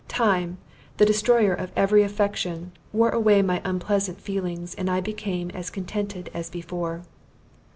Time, the destroyer of every affection, wore away my unpleasant feelings, and I became as contented as before.